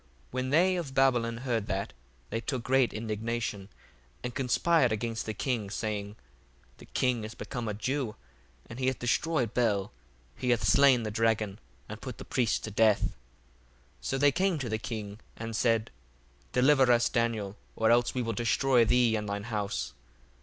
1:28 When they of Babylon heard that, they took great indignation, and conspired against the king, saying, The king is become a Jew, and he hath destroyed Bel, he hath slain the dragon, and put the priests to death. 1:29 So they came to the king, and said, Deliver us Daniel, or else we will destroy thee and thine house.